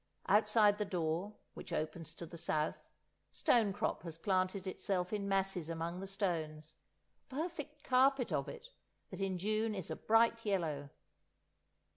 Outside the door, which opens to the south, stone crop has planted itself in masses among the stones, a perfect carpet of it, that in June is a bright yellow.